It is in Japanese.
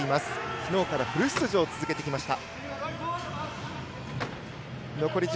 きのうからフル出場を続けてきました。